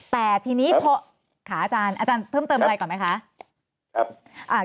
แต่ทีนี้พอขาอาจารย์อาจารย์เพิ่มเติมอะไรก่อนไหมคะ